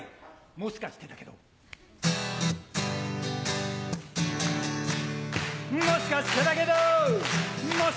もしかしてだけどもしかしてだけど